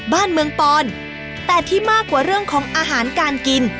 บ้านเมืองปอนแต่ที่มากกว่าเรื่องของอาหารการกิน